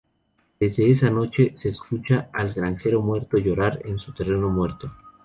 Desde esa noche, se escucha al granjero muerto llorar en su terreno muerto.